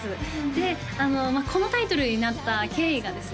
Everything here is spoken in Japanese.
でこのタイトルになった経緯がですね